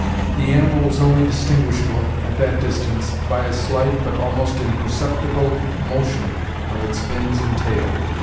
The animal was only distinguishable, at that distance, by a slight but almost imperceptible motion of its fins and tail.